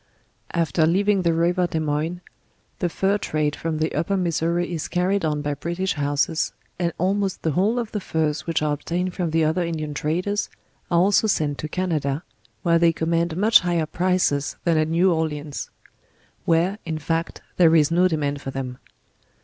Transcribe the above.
After leaving the river Des Moines, the Fur trade from the Upper Missouri is carried on by British houses, and almost the whole of the Furs which are obtained from the other In dian traders, are also sent to Canada, where they command much higher prices than at New Orleans; where, in fact, there is no demand for them.